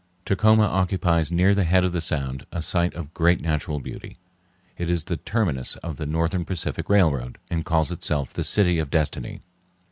Tacoma occupies near the head of the Sound a site of great natural beauty. It is the terminus of the Northern Pacific Railroad, and calls itself the "City of Destiny."